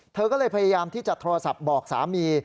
เธอก็เลยพยายามที่จะโทรศัพท์บอกสามี